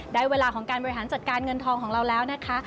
ได้เวลาของการบริหารจัดการเงินทองของเราแล้วนะคะ